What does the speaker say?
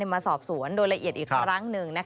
มาสอบสวนโดยละเอียดอีกครั้งหนึ่ง